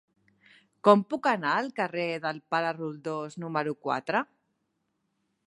Com puc anar al carrer del Pare Roldós número quatre?